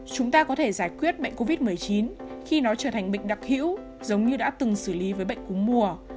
chúng ta có thể giải quyết bệnh covid một mươi chín khi nó trở thành bệnh đặc hữu giống như đã từng xử lý với bệnh cúm mùa